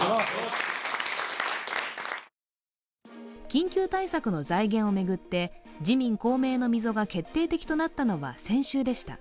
緊急対策の財源を巡って、自民・公明の溝が決定的となったのは先週でした。